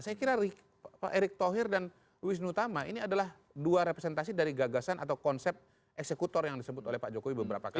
saya kira pak erick thohir dan wisnu tama ini adalah dua representasi dari gagasan atau konsep eksekutor yang disebut oleh pak jokowi beberapa kali